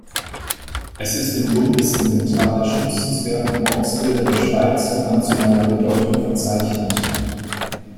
Es ist im Bundesinventar der schützenswerten Ortsbilder der Schweiz von nationaler Bedeutung verzeichnet.